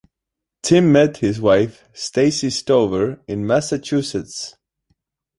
Tim met his wife, Stacy Stover, in Massachusetts.